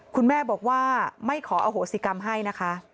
คุณแม่บอกว่าไม่ขออโหสิกรรมให้นะคะ